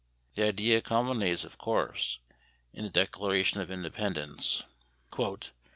The idea culminates, of course, in the Declaration of Independence.